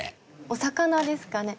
お魚ですかね？